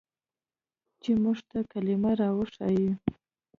چې موږ ته کلمه راوښييه.